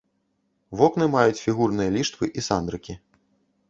Вокны маюць фігурныя ліштвы і сандрыкі.